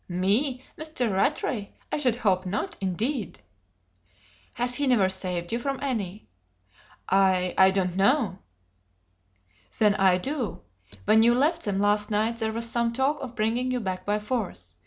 "Me? Mr. Rattray? I should hope not, indeed!" "Has he never saved you from any?" "I I don't know." "Then I do. When you left them last night there was some talk of bringing you back by force.